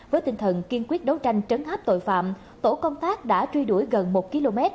với tinh thần kiên quyết đấu tranh trấn áp tội phạm tổ công tác đã truy đuổi gần một km